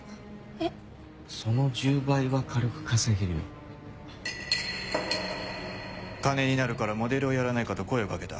その１０倍は軽く稼げるよ金になるからモデルをやらないかと声を掛けた。